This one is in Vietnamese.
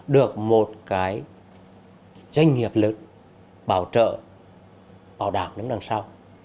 được một cái doanh nghiệp lớn bảo trợ bảo đảm đứng đằng sau